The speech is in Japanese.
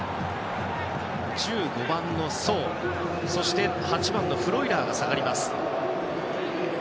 １５番のソウ、そして８番のフロイラーが交代されます。